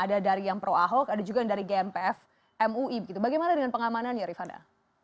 ada dari yang pro ahok ada juga yang dari gmpf mui bagaimana dengan pengamanannya rifana